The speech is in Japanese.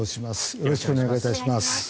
よろしくお願いします。